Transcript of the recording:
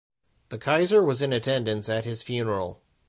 The Kaiser was in attendance at his funeral.